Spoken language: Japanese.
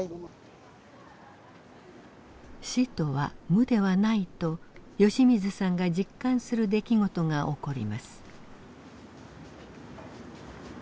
「死とは無ではない」と吉水さんが実感する出来事が起こります。